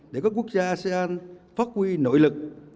để các quốc gia asean phát huy nội lực